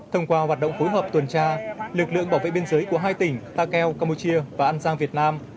thông qua hoạt động phối hợp tuần tra lực lượng bảo vệ biên giới của hai tỉnh takeo campuchia và an giang việt nam